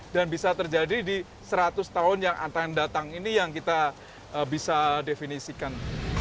dan bisa terjadi di seratus tahun yang akan datang ini yang kita bisa definisikan